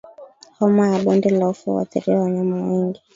Homa ya bonde la ufa huathiri wanyama wengi